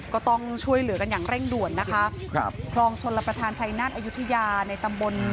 ก็ต้องช่วยเหลือกันอย่างเร่งด่วนนะคะครับคลองชนรับประทานชัยนาศอายุทยาในตำบล